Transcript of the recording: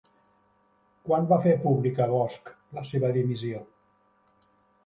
Quan va fer pública Bosch la seva dimissió?